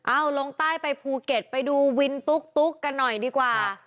เอาลงใต้ไปภูเก็ตไปดูวินตุ๊กกันหน่อยดีกว่า